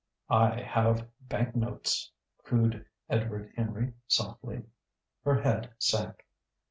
"I have bank notes," cooed Edward Henry softly. Her head sank.